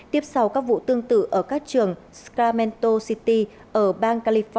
tiếp sau các vụ tương tự ở các trường scramento city ở bang california